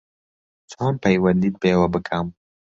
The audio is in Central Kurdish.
چۆن پەیوەندیت پێ بکەم